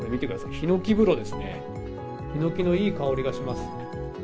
ひのきのいい香りがします。